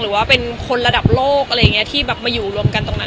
หรือว่าเป็นคนระดับโลกที่มาอยู่รวมกันตรงนั้น